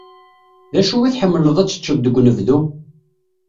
D acu i tḥemmleḍ ad t-teččeḍ deg unebdu?